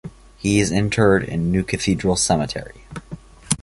He is interred in New Cathedral Cemetery.